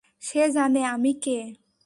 সে জানে আমি কে।